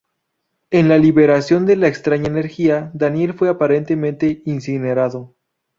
En la liberación de la extraña energía, Daniel fue aparentemente incinerado.